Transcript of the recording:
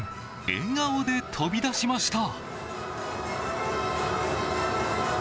笑顔で飛び出しました。